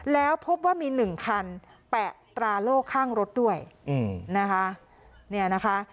แล้วพบว่ามีหนึ่งคันแปะตราโลกข้างรถด้วยนะคะเนี่ยนะคะ